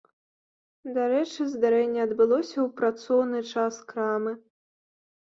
Дарэчы, здарэнне адбылося ў працоўны час крамы.